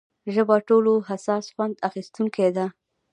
ژبه ټولو حساس خوند اخیستونکې ده.